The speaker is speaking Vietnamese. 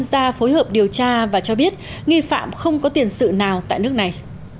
quốc gia phối hợp điều tra và cho biết nghi phạm không có tiền sự nào tại nước này